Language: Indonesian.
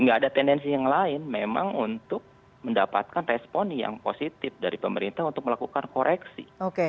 nggak ada tendensi yang lain memang untuk mendapatkan respon yang positif dari pemerintah untuk melakukan koreksi